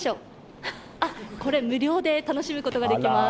これ無料で楽しむことができます。